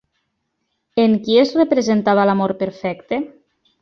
En qui es representava l'amor perfecte?